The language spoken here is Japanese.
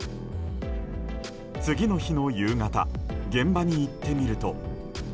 次の日の夕方現場に行ってみると。